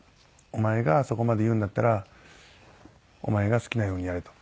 お前がそこまで言うんだったらお前が好きなようにやれ」と。